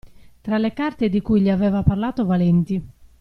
Tra le carte di cui gli aveva parlato Valenti.